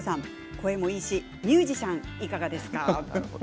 声もいいしミュージシャンいかがですか。